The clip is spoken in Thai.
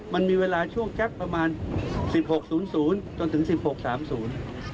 มันมีเวลาช่วงสักประมาณสิบหกศูนย์ศูนย์จนถึงสิบหกสามศูนย์